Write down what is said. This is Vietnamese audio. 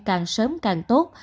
càng sớm càng tốt